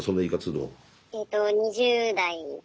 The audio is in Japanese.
えと２０代です。